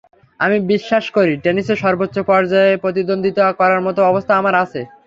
আমি বিশ্বাস করি, টেনিসের সর্বোচ্চ পর্যায়ে প্রতিদ্বন্দ্বিতা করার মতো অবস্থা আমার আছে।